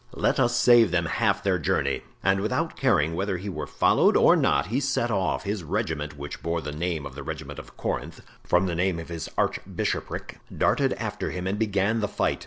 Let us save them half of their journey." And without caring whether he were followed or not he set off; his regiment, which bore the name of the regiment of Corinth, from the name of his archbishopric, darted after him and began the fight.